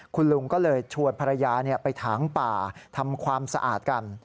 คุณลุงก็เลยชวนภรรยาไปถางป่าทำความสะอาดกัน